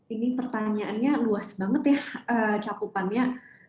ini pertanyaannya luas banget ya cakupannya